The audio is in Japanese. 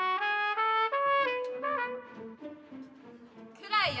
暗いよ。